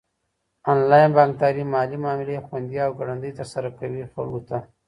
انلاين بانکداري مالي معاملي خوندي او ګړندي ترسره کوي خلکو ته.